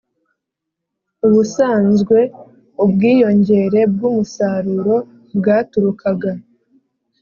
ubusanzwe ubwiyongere bw'umusaruro bwaturukaga